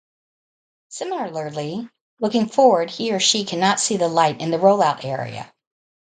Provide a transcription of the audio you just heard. Similarly, looking forward he or she cannot see the light in the rollout area.